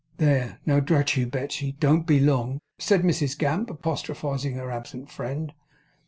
'There! Now drat you, Betsey, don't be long!' said Mrs Gamp, apostrophizing her absent friend.